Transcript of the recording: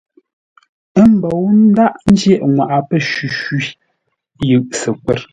Ə́ mbǒu ndághʼ ńjyeʼ ŋwaʼa pə́ shwi-shwî yʉ Səkwə̂r.